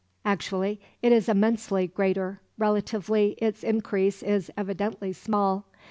Actually it is immensely greater; relatively, its increase is evidently small.